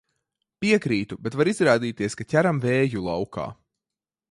Piekrītu, bet var izrādīties, ka ķeram vēju laukā.